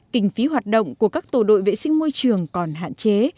kinh phí hoạt động của các tổ đội vệ sinh môi trường còn hạn chế